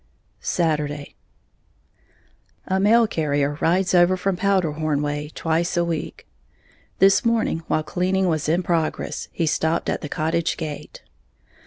Saturday. A mail carrier rides over from Powderhorn way twice a week. This morning, while cleaning was in progress, he stopped at the cottage gate.